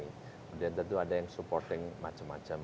kemudian tentu ada yang supporting macam macam